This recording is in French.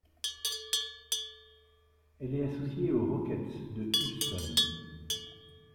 Elle est associée aux Rockets de Houston.